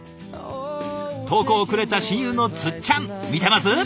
投稿をくれた親友のつっちゃん見てます？